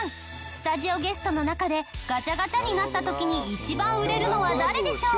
スタジオゲストの中でガチャガチャになった時に一番売れるのは誰でしょう？